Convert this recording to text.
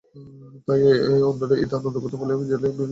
তাই অন্যরা ঈদে আনন্দ করতে পারলেও জেলে পরিবারের দিনটি কেটেছে কষ্টে।